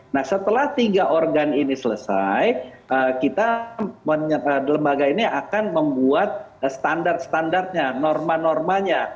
nah setelah tiga organ ini selesai kita lembaga ini akan membuat standar standarnya norma normanya